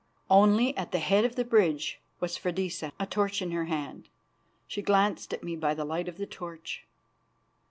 Only, at the head of the bridge was Freydisa, a torch in her hand. She glanced at me by the light of the torch.